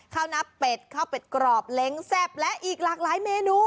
ข้าวนับเป็ดข้าวเป็ดกรอบเล้งแซ่บและอีกหลากหลายเมนู